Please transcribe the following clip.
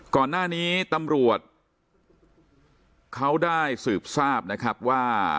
ก่อนหน้านี้ตำรวจเขาได้สืบทราบนะครับว่า